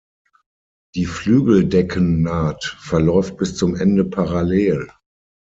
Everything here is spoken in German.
Die Flügeldeckennaht verläuft bis zum Ende parallel.